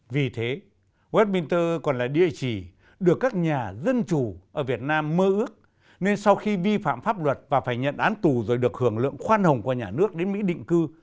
vì thế westminster còn là địa chỉ được các nhà dân chủ ở việt nam mơ ước nên sau khi vi phạm pháp luật và phải nhận án tù rồi được hưởng lượng khoan hồng qua nhà nước đến mỹ định cư